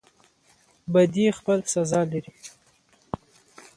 بدی خپل سزا لري